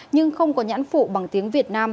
nhưng không có nhãn phụ bằng tiếng việt nam